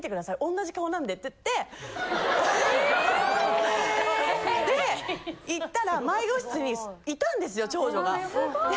同じ顔なんで」って。え！？で行ったら迷子室にいたんですよ長女が。